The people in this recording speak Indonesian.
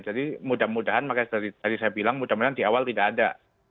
jadi mudah mudahan makanya tadi saya bilang mudah mudahan di awal tidak ada